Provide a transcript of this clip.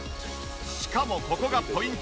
しかもここがポイント！